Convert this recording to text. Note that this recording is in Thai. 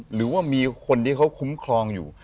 หรือว่ามีคนที่เขาคุ้มครองอยู่